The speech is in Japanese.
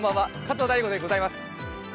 加藤大悟でございます。